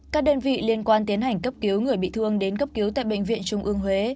các đơn vị liên quan tiến hành cấp cứu người bị thương đến cấp cứu tại bệnh viện trung ương huế